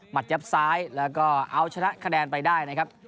ยับซ้ายแล้วก็เอาชนะคะแนนไปได้นะครับ